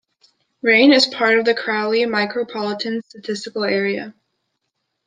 Rayne is part of the Crowley Micropolitan Statistical Area.